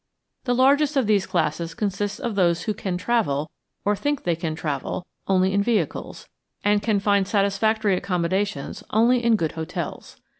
The largest of these classes consists of those who can travel, or think they can travel, only in vehicles, and can find satisfactory accommodations only in good hotels.